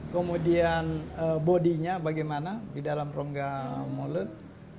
kemudian bodinya bagaimana di dalam rongga mulut